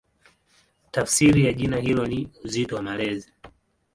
Tafsiri ya jina hilo ni "Uzito wa Malezi".